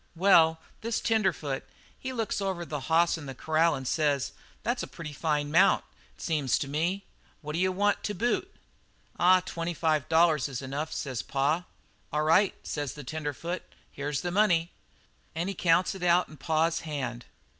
"Well, this tenderfoot, he looks over the hoss in the corral and says: 'That's a pretty fine mount, it seems to me. What do you want to boot?' "'Aw, twenty five dollars is enough,' says pa. "'All right,' says the tenderfoot, 'here's the money.' "And he counts it out in pa's hand.